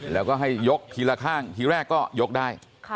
แล้วก็ให้ยกทีละข้างทีแรกก็ยกได้